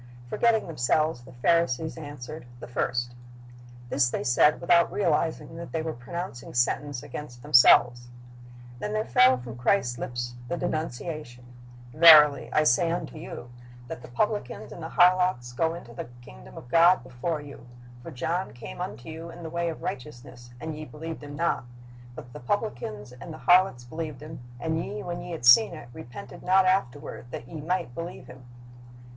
Forgetting themselves, the Pharisees answered, "The first." This they said without realizing that they were pronouncing sentence against themselves. Then there fell from Christ's lips the denunciation, "Verily I say unto you. That the iMatt. 3:2 2 Matt. 15 : 6, 9 ^" ay i n g a n d D o i n g 277 publicans and the harlots go into the kingdom of God before you. For John came unto you in the way of righteousness, and ye believed him not; but the publicans and the harlots believed him: and ye, when ye had seen it, repented not afterward, that ye might believe him."